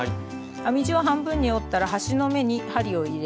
編み地を半分に折ったら端の目に針を入れ